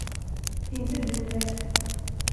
Inte du med.